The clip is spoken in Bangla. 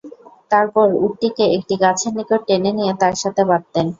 তারপর উটটিকে একটি গাছের নিকট টেনে নিয়ে তার সাথে বাঁধতেন।